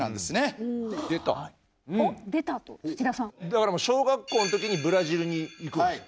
だからもう小学校の時にブラジルの時に行く。